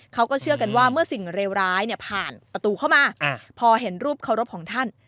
เขาก็เชื่อกันว่าเมื่อสิ่งเลวร้ายผ่านประตูเข้ามาพอเห็นรูปเคารพของท่าน